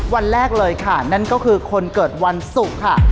วันแรกเลยค่ะนั่นก็คือคนเกิดวันศุกร์ค่ะ